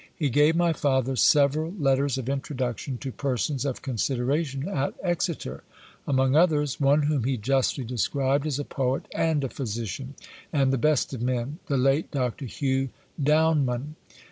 He gave my father several letters of introduction to persons of consideration at Exeter; among others, one whom he justly described as a poet and a physician, and the best of men, the late Dr. Hugh Downman.